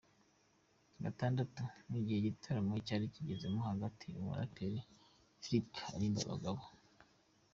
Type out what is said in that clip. Gatandatu, mu gihe igitaramo cyari kigezemo hagati umuraperi Flip aririmba, abagabo.